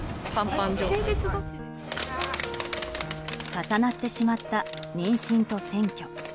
重なってしまった妊娠と選挙。